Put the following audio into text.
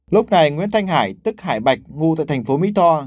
lúc này nguyễn thanh hải tức hải bạch ngụ tại thành phố mỹ tho